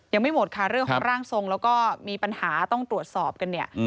ยังไม่หมดค่ะเรื่องของร่างทรงแล้วก็มีปัญหาต้องตรวจสอบกันเนี่ย